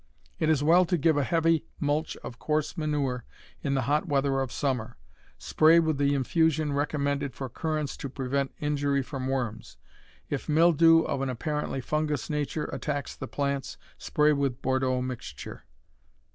It is well to give a heavy mulch of coarse manure in the hot weather of summer. Spray with the infusion recommended for currants to prevent injury from worms. If mildew of an apparently fungous nature attacks the plants, spray with Bordeaux mixture.